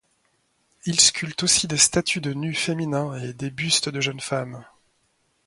Il sculpte aussi des statues de nus féminins et des bustes de jeunes femmes.